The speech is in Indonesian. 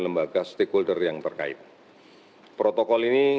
karena protokol ini ditutup seperti veilu atau gelas